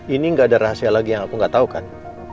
ini gak ada rahasia lagi yang aku nggak tahu kan